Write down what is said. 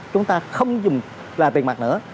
chúng ta không dùng là tiền mặt nữa